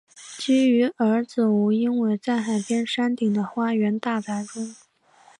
居于儿子吴英伟在海边山顶的花园大宅中。